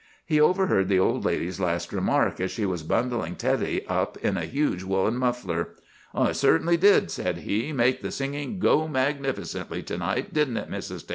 He overheard the old lady's last remark, as she was bundling Teddy up in a huge woollen muffler. "'It certainly did,' said he, 'make the singing go magnificently to night, didn't it, Mrs. Tait?